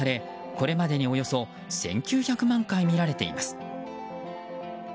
これまでにおよそ１９００万回見られています。